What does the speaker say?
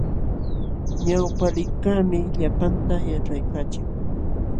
Ñawpaqlikaqmi llapanta yaćhaykaachin.